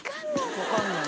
分からない。